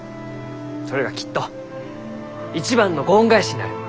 それがきっと一番のご恩返しになる。